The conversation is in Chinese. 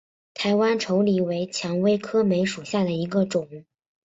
台湾稠李为蔷薇科梅属下的一个种。